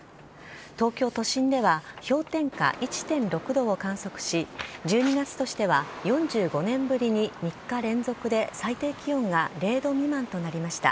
東京都心では氷点下１．６度を観測し、１２月としては４５年ぶりに３日連続で最低気温が０度未満となりました。